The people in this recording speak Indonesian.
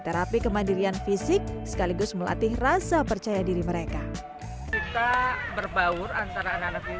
terapi kemandirian fisik sekaligus melatih rasa percaya diri mereka kita berbaur antara anak anak